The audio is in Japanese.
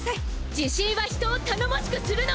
自信は人を頼もしくするの！